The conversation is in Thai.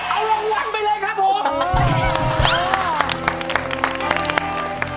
เอารางวัลไปเลยครับผม